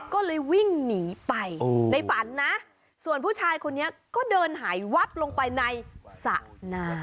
ก็เลยวิ่งหนีไปในฝันนะส่วนผู้ชายคนนี้ก็เดินหายวับลงไปในสระน้ำ